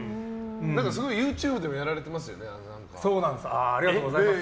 すごいＹｏｕＴｕｂｅでもやられてますよね。